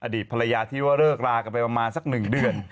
อดีตภรรยาที่ว่าเลิกรากันไปประมาณสัก๑เดือน